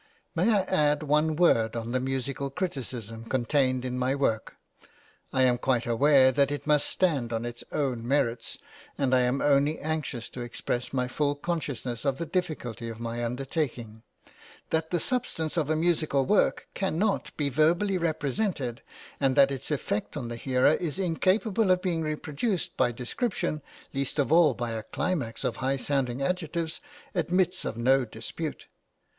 May I add one word on the musical criticism contained in my work? I am quite aware that it must stand on its own merits, and I am only anxious to express my full consciousness of the difficulty of my undertaking. That the substance of a musical work cannot be verbally represented, and that its effect on the hearer is incapable of being reproduced by description, least of all by a climax of high sounding adjectives, admits of no dispute.